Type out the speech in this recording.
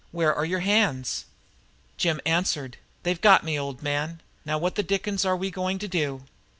"Where are your hands?" And Jim answered: "They've got me, old man. Now what the dickens are we going to do?"